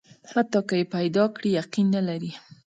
حتی که یې پیدا کړي، یقین نه لري.